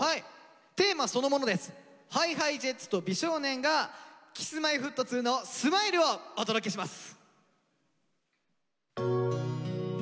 テーマそのものです。ＨｉＨｉＪｅｔｓと美少年がＫｉｓ−Ｍｙ−Ｆｔ２の「Ｓｍｉｌｅ」をお届けします。